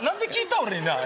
俺になあ。